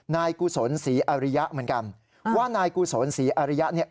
กุศลศรีอริยะเหมือนกันว่านายกุศลศรีอริยะเนี่ย